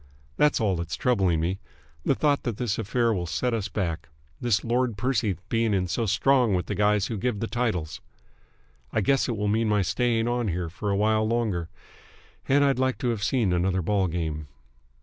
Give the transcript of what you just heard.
That's all that's troubling me, the thought that this affair will set us back, this Lord Percy being in so strong with the guys who give the titles. I guess it will mean my staying on here for a while longer, and I'd liked to have seen another ball game.